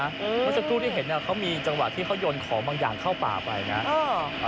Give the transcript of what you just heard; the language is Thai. เมื่อสักครู่ที่เห็นเขามีจังหวะที่เขาโยนของบางอย่างเข้าป่าไปนะ